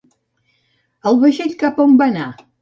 El vaixell cap a on va anar?